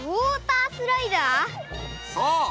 そう！